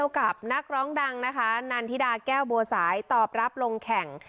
กับนักร้องดังนะคะนันทิดาแก้วบัวสายตอบรับลงแข่ง